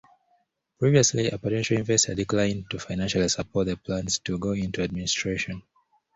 Previously, a potential investor declined to financially support the plans to go into administration.